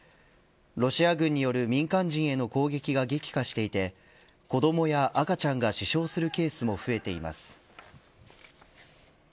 ロシア軍による民間人への攻撃が激化していて子どもや赤ちゃんが死傷するケースも増えています。